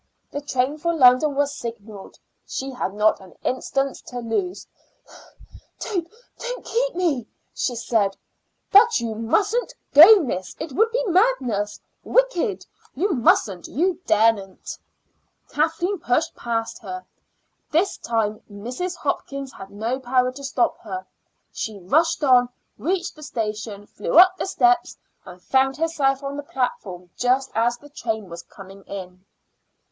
The train for London was signaled; she had not an instant to lose. "Don't don't keep me," she said. "But you mustn't go, miss; it would be madness wicked. You musn't; you daren't." Kathleen pushed past her. This time Mrs. Hopkins had no power to stop her. She rushed on, reached the station, flew up the steps, and found herself on the platform just as the train was coming in.